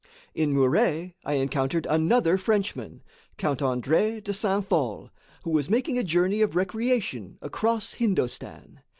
In Muré I encountered another Frenchman, Count André de Saint Phall, who was making a journey of recreation across Hindostan.